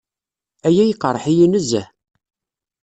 Aya iqerreḥ-iyi nezzeh.